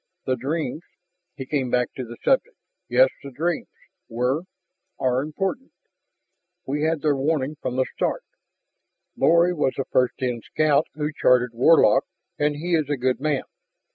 The dreams " he came back to the subject "Yes, the dreams were are important. We had their warning from the start. Lorry was the First In Scout who charted Warlock, and he is a good man.